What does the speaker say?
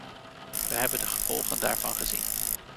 We hebben de gevolgen daarvan gezien.